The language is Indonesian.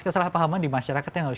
salah pahaman di masyarakat yang harus